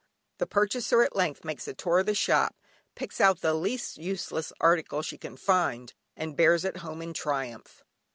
The purchaser at length makes a tour of the shop, picks out the least useless article she can find, and bears it home in triumph.